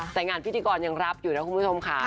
แต่งานพิธีกรยังรับอยู่นะคุณผู้ชมค่ะ